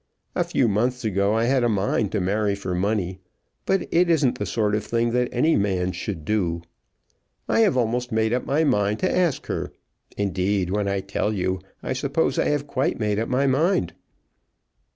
A few months ago I had a mind to marry for money; but it isn't the sort of thing that any man should do. I have almost made up my mind to ask her. Indeed, when I tell you, I suppose I have quite made up my mind."